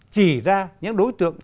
chỉ ra những đối tượng